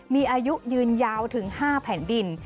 มีอายุยืนยาวถึง๕แผ่นดิน